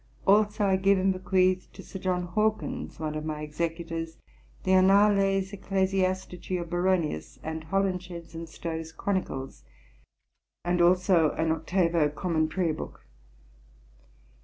Also I give and bequeath to Sir John Hawkins, one of my Executors, the Annales Ecclesiastici of Baronius, and Holinshed's and Stowe's Chronicles, and also an octavo Common Prayer Book.